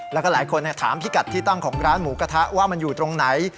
แล้วก็หลายคนถามพิกัดที่ตั้งของร้านหมูกระทะว่ามันอยู่ตรงไหน